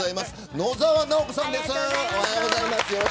野沢直子さんです。